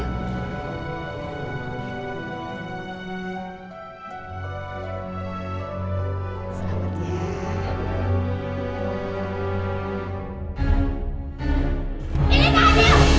ini tak ada